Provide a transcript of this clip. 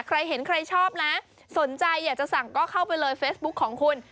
ใครเห็นใครชอบนะสนใจอยากจะสั่งก็เข้าไปเลยเฟซบุ๊คของคุณ